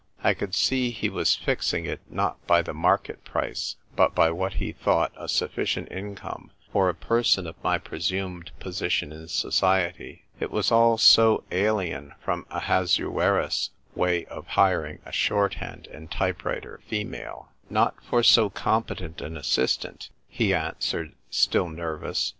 I could see he was fixing it, not by the market price, but by what he thought a suffi cient income for a person of my presumed position in society. It was all so alien from Ahasuerus's way of hiring a Shorthand and Type writer (female). " Not for so competent an assistant," he answered, still nervous.